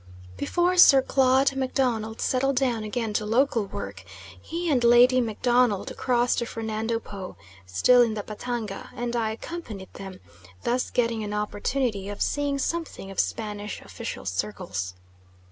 Before Sir Claude MacDonald settled down again to local work, he and Lady MacDonald crossed to Fernando Po, still in the Batanga, and I accompanied them, thus getting an opportunity of seeing something of Spanish official circles.